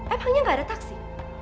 emangnya gak ada taksi